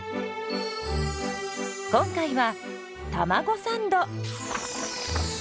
今回はたまごサンド。